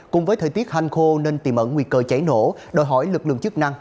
cùng với thời tiết hanh khô nên tìm ẩn nguy cơ cháy nổ đòi hỏi lực lượng chức năng